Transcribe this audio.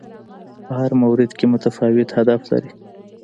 په هر مورد کې متفاوت هدف لري